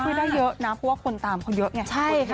ช่วยได้เยอะนะเพราะว่าคนตามคนเยอะไงใช่ค่ะ